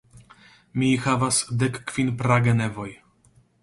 Mi havas dekkvin pragenevoj.